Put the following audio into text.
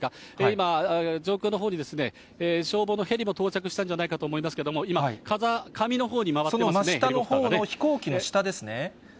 今、上空のほうに消防のヘリも到着したんじゃないかと思いますけれども、今、風上のほうに回ってその真下のほうの、飛行機の下ですね。